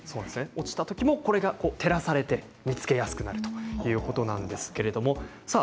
落ちたときも照らされて見つけやすくなるということです。